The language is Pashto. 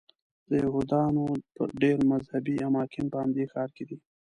د یهودانو ډېر مذهبي اماکن په همدې ښار کې دي.